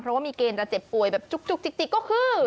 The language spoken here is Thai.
เพราะว่ามีเกณฑ์จะเจ็บป่วยแบบจุกจิกก็คือ